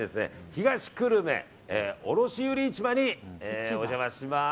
東久留米卸売市場にお邪魔します。